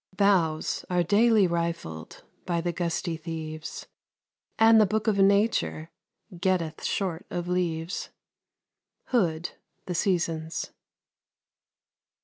Boughs are daily rifled By the gusty thieves, And the Book of Nature Getteth short of leaves. Hood, "The Seasons."